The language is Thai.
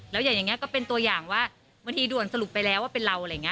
แล้วอย่างนี้ก็เป็นตัวอย่างว่าบางทีด่วนสรุปไปแล้วว่าเป็นเราอะไรอย่างนี้